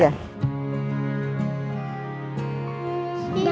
udah nanti aku congregasi ya